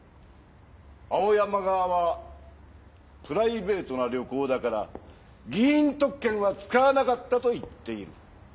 青山側はプライベートな旅行だから議員特権は使わなかったと言っている。